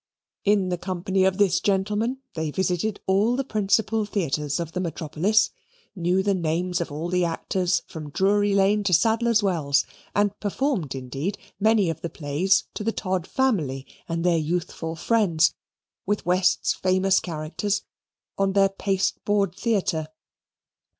In the company of this gentleman they visited all the principal theatres of the metropolis; knew the names of all the actors from Drury Lane to Sadler's Wells; and performed, indeed, many of the plays to the Todd family and their youthful friends, with West's famous characters, on their pasteboard theatre.